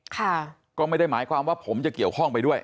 ค่ะก็ไม่ได้หมายความว่าผมจะเกี่ยวข้องไปด้วย